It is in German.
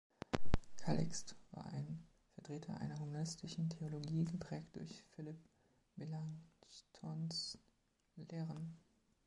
Calixt war ein Vertreter einer humanistischen Theologie, geprägt durch Philipp Melanchthons Lehren.